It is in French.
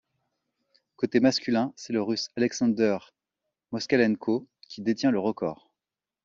Côté masculin, c'est le Russe Alexander Moskalenko qui détient le record.